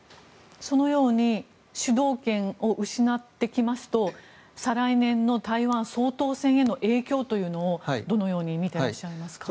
そのように主導権を失ってきますと再来年の台湾総統選への影響というのをどのように見ていらっしゃいますか。